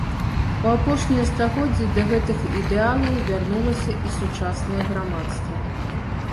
У апошнія стагоддзі да гэтых ідэалаў вярнулася і сучаснае грамадства.